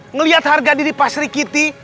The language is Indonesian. ngelihat harga diri pak sri kiti